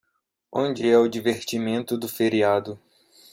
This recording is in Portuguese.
Onde é o divertimento do feriado?